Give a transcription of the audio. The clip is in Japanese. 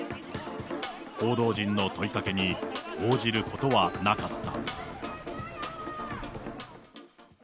報道陣の問いかけに応じることはなかった。